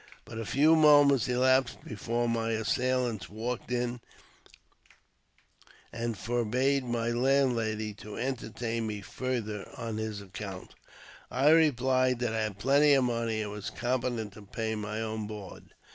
But a few moments elapsed before my assailant walked in and forbade my landlady to entertain me farther on his account. I replied that I had plenty of money, and was competent to pay my own board.